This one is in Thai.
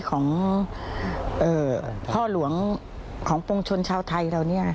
ของพ่อหลวงของปวงชนชาวไทยเราเนี่ย